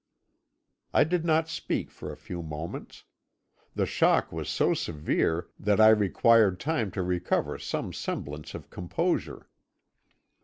"I did not speak for a few moments. The shock was so severe that I required time to recover some semblance of composure.